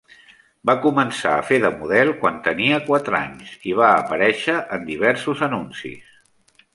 Va començar a fer de model quan tenia quatre anys i va aparèixer en diversos anuncis.